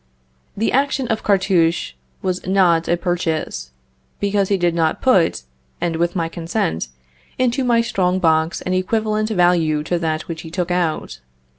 The action of Cartouche was not a purchase, because he did not put, and with my consent, into my strong box an equivalent value to that which he took out.